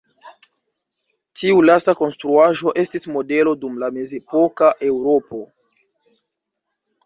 Tiu lasta konstruaĵo estis modelo dum la mezepoka Eŭropo.